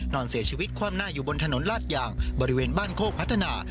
นอนเสียชีวิตคว่ำหน้าอยู่บนถนนลาดยางบริเวณบ้านโคกพัฒนา